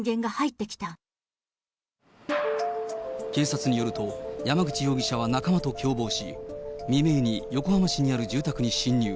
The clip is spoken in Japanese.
警察によると、山口容疑者は仲間と共謀し、未明に横浜市にある住宅に侵入。